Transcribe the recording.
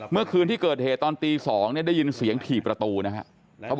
เมื่อคืนที่เกิดเหตุตอนตี๒ได้ยินเสียงถี่ประตูนะครับ